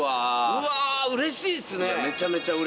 うわうれしいですね。